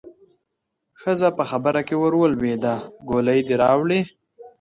ښځه په خبره کې ورولوېده: ګولۍ دې راوړې؟